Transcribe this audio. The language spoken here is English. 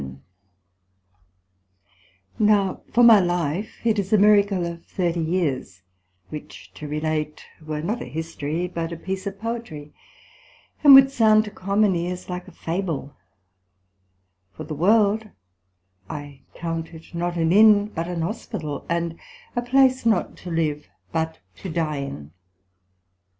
11 Now for my life, it is a miracle of thirty years, which to relate, were not a History, but a piece of Poetry, and would sound to common ears like a Fable; for the World, I count it not an Inn, but an Hospital; and a place not to live, but to dye in.